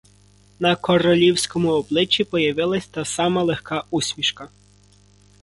На королівському обличчі появилася та сама легка усмішка.